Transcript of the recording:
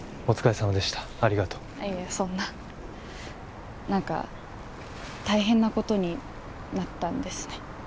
お疲れさまでしたありがとういえそんな何か大変なことになったんですね